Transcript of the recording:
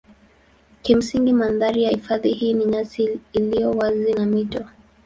Kimsingi mandhari ya hifadhi hii ni nyasi iliyo wazi na mito.